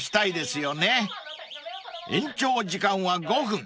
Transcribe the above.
［延長時間は５分。